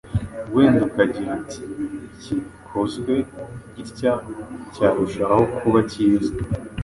Wenda ukagira uti: “Iki gikozwe gitya cyarushaho kuba kiza.”